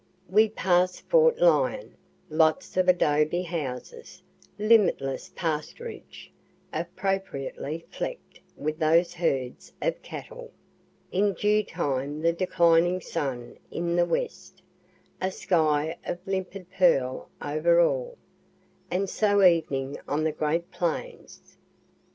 We pass Fort Lyon lots of adobie houses limitless pasturage, appropriately fleck'd with those herds of cattle in due time the declining sun in the west a sky of limpid pearl over all and so evening on the great plains.